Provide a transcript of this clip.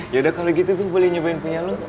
yaudah kalo gitu gue boleh nyobain punya lo